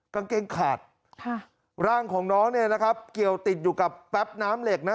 กางเกงขาดร่างของน้องเนี่ยนะครับเกี่ยวติดอยู่กับแป๊บน้ำเหล็กนะ